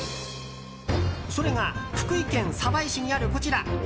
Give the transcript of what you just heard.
それが福井県鯖江市にあるこちら。